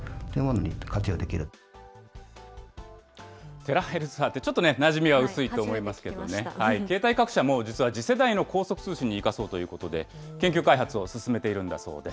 テラヘルツ波って、ちょっとね、なじみは薄いと思いますけれども、携帯各社も実は次世代の高速通信に生かそうということで、研究開発を進めているんだそうです。